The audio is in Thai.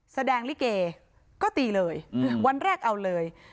แสดงลิเกก็ตีเลยวันแรกเอาเลย